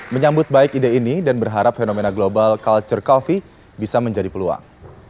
menyambut baik ide ini dan berharap fenomena global culture coffee bisa menjadi peluang